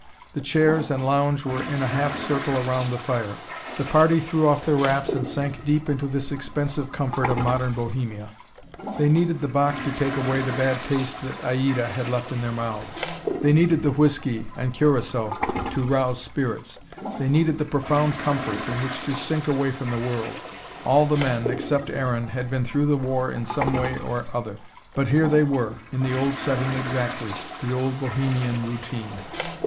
The chairs and lounge were in a half circle round the fire. The party threw off their wraps and sank deep into this expensive comfort of modern bohemia. They needed the Bach to take away the bad taste that Aida had left in their mouths. They needed the whiskey and curacao to rouse their spirits. They needed the profound comfort in which to sink away from the world. All the men, except Aaron, had been through the war in some way or other. But here they were, in the old setting exactly, the old bohemian routine.